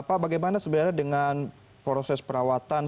pak bagaimana sebenarnya dengan proses perawatan